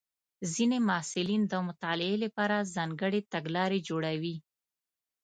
ځینې محصلین د مطالعې لپاره ځانګړې تګلارې جوړوي.